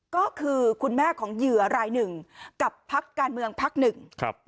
ก็คือคุณแม่ของเหยื่อรายหนึ่งกับพักการเมืองพักหนึ่ง